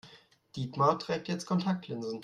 Dietmar trägt jetzt Kontaktlinsen.